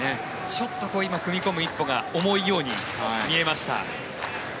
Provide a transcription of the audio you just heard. ちょっと踏み込む一歩が重いように見えました。